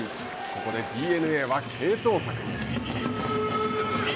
ここでＤｅＮＡは継投策に。